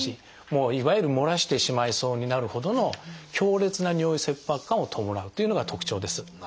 いわゆるもらしてしまいそうになるほどの強烈な尿意切迫感を伴うというのが特徴です。